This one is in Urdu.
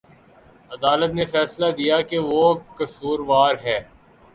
عدالت نے فیصلہ دیا کہ وہ قصوروار ہے